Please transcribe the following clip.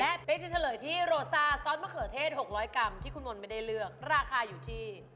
และเป๊กจะเฉลยที่โรซ่าซอสมะเขือเทศ๖๐๐กรัมที่คุณมนต์ไม่ได้เลือกราคาอยู่ที่